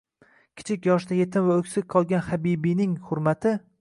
Kichik yoshda yetim va o'ksik qolgan Habibing hurmati.